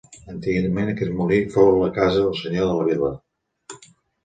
Antigament aquest molí fou la casa del senyor de la vila.